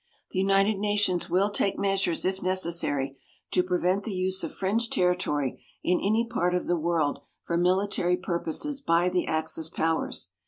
The United Nations will take measures, if necessary, to prevent the use of French territory in any part of the world for military purposes by the Axis powers.